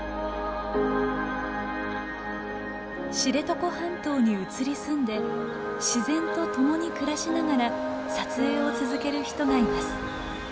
知床半島に移り住んで自然と共に暮らしながら撮影を続ける人がいます。